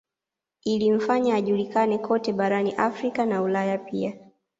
Ilimfanya ajulikane kote barani Afrika na Ulaya pia